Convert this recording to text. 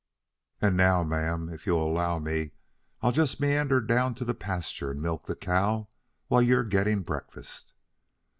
And now, ma'am, if you'll allow me, I'll just meander down to the pasture and milk the cow while you're getting breakfast.'"